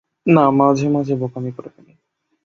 না, মাঝে মাঝে বোকামি করে ফেলি।